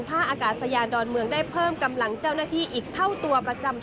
ท่าอากาศยานดอนเมืองได้เพิ่มกำลังเจ้าหน้าที่อีกเท่าตัวประจำ